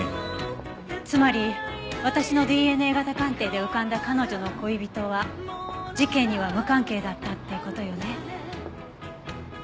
つまり私のＤＮＡ型鑑定で浮かんだ彼女の恋人は事件には無関係だったっていう事よね。